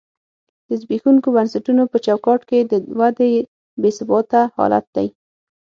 د زبېښونکو بنسټونو په چوکاټ کې د ودې بې ثباته حالت دی.